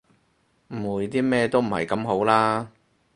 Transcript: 誤會啲咩都唔係咁好啦